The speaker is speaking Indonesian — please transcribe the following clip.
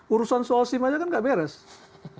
urusan solusi macam itu kan tidak biasa